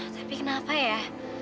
tapi kenapa ya